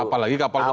apalagi kapal pesiar